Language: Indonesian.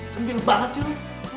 centil banget sih lo